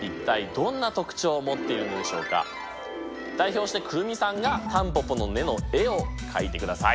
代表して来泉さんがタンポポの根の絵を描いてください。